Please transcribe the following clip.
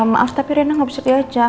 maaf tapi rina gak bisa pergi aja